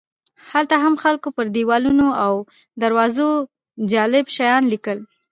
هلته هم خلکو پر دیوالونو او دروازو جالب شیان لیکل.